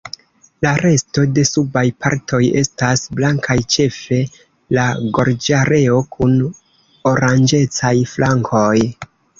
La resto de subaj partoj estas blankaj ĉefe la gorĝareo kun oranĝecaj flankoj.